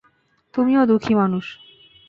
তুমিও দুঃখী মানুষ।